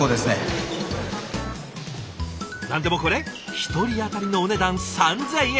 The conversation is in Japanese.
何でもこれ１人当たりのお値段３，０００円。